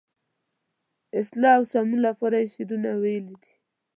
اصلاح او سمون لپاره یې شعرونه ویلي دي.